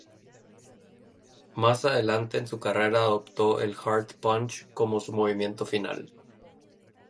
Más adelante en su carrera, adoptó el "Heart punch" como su movimiento final.